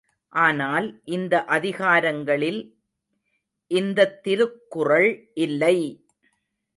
ஆனால் இந்த அதிகாரங்களில் இந்தத் திருக்குறள் இல்லை!